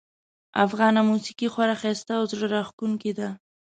افغانه موسیقي خورا ښایسته او زړه راښکونکې ده